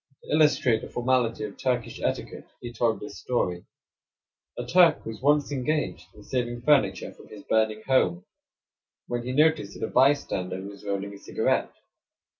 To illustrate the formality of Turkish etiquette he told this story: "A Turk was once engaged in saving furniture from his burning home, when he noticed that a bystander was rolling a cigarette.